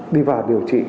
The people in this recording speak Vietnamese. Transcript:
đi vào điều trị